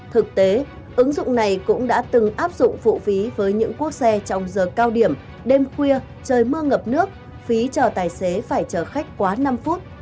thực tế ứng dụng này cũng đã từng áp dụng phụ phí với những cuốc xe trong giờ cao điểm đêm khuya trời mưa ngập nước phí chờ tài xế phải chờ khách quá năm phút